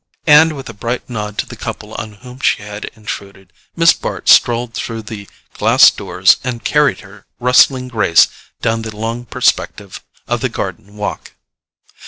And with a bright nod to the couple on whom she had intruded, Miss Bart strolled through the glass doors and carried her rustling grace down the long perspective of the garden walk.